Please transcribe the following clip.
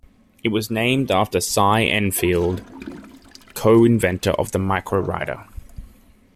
It was named after Cy Endfield, co-inventor of the Microwriter.